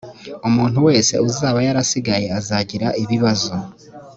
umuntu wese uzaba yarasigaye, azagira ibibazo